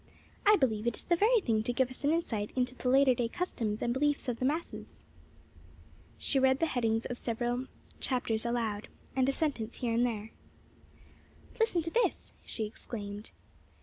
"I believe it is the very thing to give us an insight into the later day customs and beliefs of the masses." She read the headings of several of the chapters aloud, and a sentence here and there. "Listen to this!" she exclaimed.